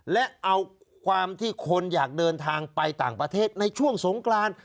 และเอาความที่คนอยากเดินทางไปต่างประเทศในช่วงสงกราน